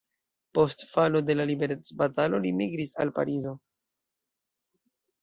Post falo de la liberecbatalo li migris al Parizo.